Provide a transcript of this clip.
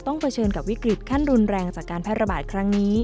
เผชิญกับวิกฤตขั้นรุนแรงจากการแพร่ระบาดครั้งนี้